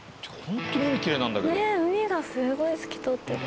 海がすごい透き通ってる。